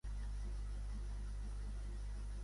Els l'eren els individus amb un mateix avantpassat.